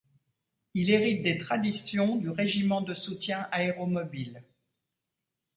Il hérite des traditions du régiment de soutien aéromobile.